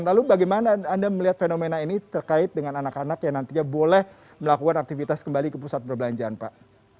lalu bagaimana anda melihat fenomena ini terkait dengan anak anak yang nantinya boleh melakukan aktivitas kembali ke pusat perbelanjaan pak